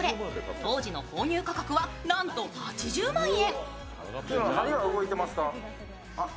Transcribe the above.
当時の購入価格はなんと８０万円。